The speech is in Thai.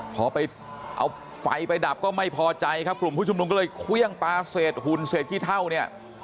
พอไปเอาไฟไปดับก็ไม่พอใจครับกลุ่มผู้ชุมนุมก็เลยเครื่องปลาเศษหุ่นเศษขี้เท่าเนี่ย